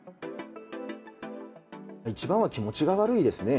一番は気持ちが悪いですね。